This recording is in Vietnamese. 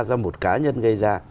do một cá nhân gây ra